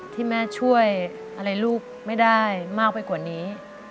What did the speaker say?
ที่แม่ช่วยอะไรลูกไม่ได้มากไปกว่านี้